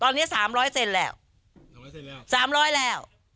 ตอนนี้สามร้อยเซนแล้วสามร้อยแล้วสามร้อยแล้ว